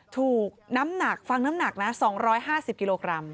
ถูกน้ำหนักฟังน้ำหนักนะ๒๕๐กิโลกรัม